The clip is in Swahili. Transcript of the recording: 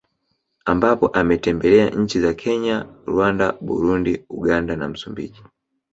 Ambapo ametembelea nchi za Kenya Rwanda Burundi Uganda na Msumbiji